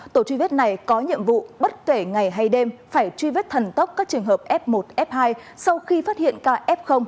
tổ truy vết này có nhiệm vụ bất kể ngày hay đêm phải truy vết thần tốc các trường hợp f một f hai sau khi phát hiện ca f